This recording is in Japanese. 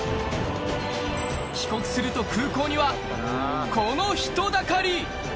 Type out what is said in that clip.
帰国すると空港には、この人だかり。